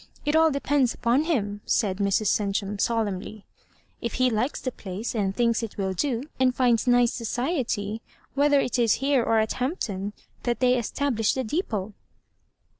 It all depends upon him," said Mra Cen tum, solemnly; "if he likes the place, «nd thinks it will do, and finds nice society, whe ther it is here or at Hampton that they establish the depot."